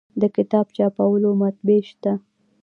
د کتاب چاپولو مطبعې شته